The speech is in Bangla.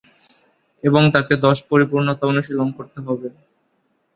এবং তাকে দশ পরিপূর্ণতা অনুশীলন করতে হবে।